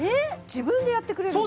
自分でやってくれる？